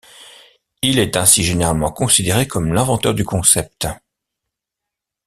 Il est ainsi généralement considéré comme l'inventeur du concept.